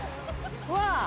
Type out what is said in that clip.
うわ。